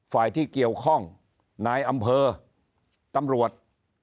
ฝ่ายที่เกี่ยวข้องนายอำเภอตำรวจ